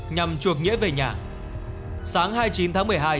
nhằm chuộc nghĩa về nhà sáng hai mươi chín tháng một mươi hai